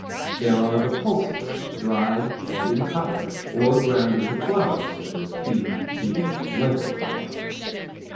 There are the pulses dried and entire, or ground into flour, such as pea , bean , and lentil flour.